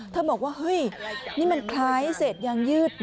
เธอบอกว่าเฮ้ยนี่มันคล้ายเสร็จยังยืด